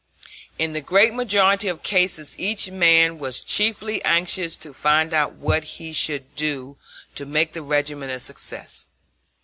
In the great majority of cases each man was chiefly anxious to find out what he should do to make the regiment a success.